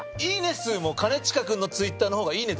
数も兼近君のＴｗｉｔｔｅｒのほうが「いいね」